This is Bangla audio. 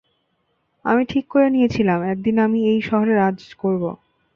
আমি ঠিক করে নিয়েছিলাম, একদিন আমি এই শহরে রাজ করবো।